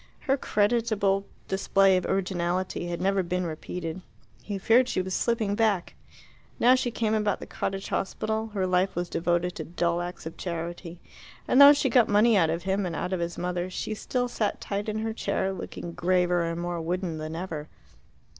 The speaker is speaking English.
Her creditable display of originality had never been repeated: he feared she was slipping back. Now she came about the Cottage Hospital her life was devoted to dull acts of charity and though she got money out of him and out of his mother, she still sat tight in her chair, looking graver and more wooden than ever.